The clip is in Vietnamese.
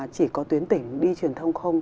chỉ có tuyến tỉnh đi truyền thông không